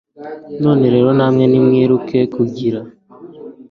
Nuko rero namwe nimwiruke kugira